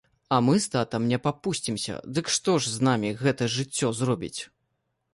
А мы з татам не папусцімся, дык што ж з намі гэта жыццё зробіць?